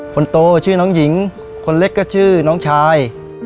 คนโตชื่อน้องหญิงคนเล็กก็ชื่อน้องชาย